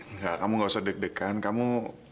enggak kamu gak usah deg degan kamu